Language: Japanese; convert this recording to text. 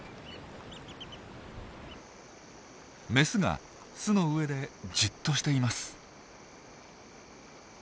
メスが巣の上でじっとしています。